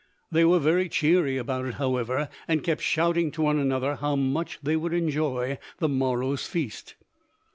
They were very cheery about it, however, and kept shouting to one another how much they would enjoy the morrow's feast.